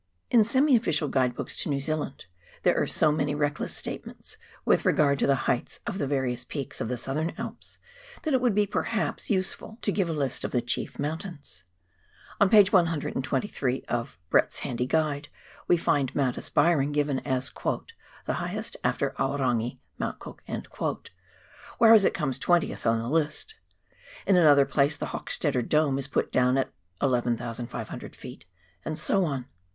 In semi official guide books to New Zealand there arc so many reckless statements with regard to the heights of the various peaks of the Southern Alps that it would be, perhaps, useful to give a list 320 APPENDIX. of the chief mountains. On p. 123 of "Brett's Handy Guide" we find Mount Aspiring given as " the highest after Aorangi (Mount Cook)," whereas it comes twentieth on the list ; in another place the Hochstetter Dome is put down at 11,500 ft., and so on.